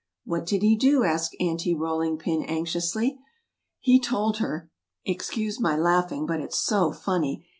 "What did he do?" asked Aunty Rolling Pin, anxiously. "He told her (excuse my laughing but it's so funny!)